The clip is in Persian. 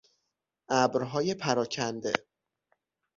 ابرهای پراکنده